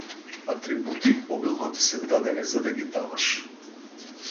Атрибути обилно ти се дадени за да ги даваш!